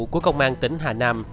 của công an tỉnh hà nam